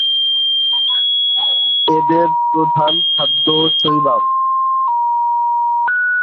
এদের প্রধান খাদ্য শৈবাল।